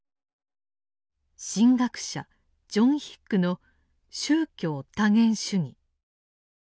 神学者ジョン・ヒックの「宗教多元主義」。